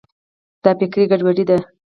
دا فکري ګډوډي ده.